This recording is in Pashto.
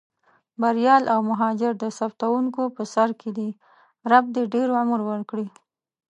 بریال او مهاجر د ثبتوونکو په سر کې دي، رب دې ډېر عمر ورکړي.